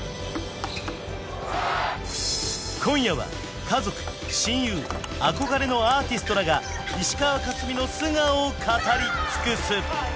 今夜は家族親友憧れのアーティストらが石川佳純の素顔を語り尽くす！